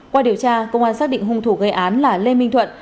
qua điều tra công an xác định hung thủ gây án là lê minh thuận